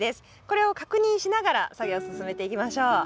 これを確認しながら作業を進めていきましょう。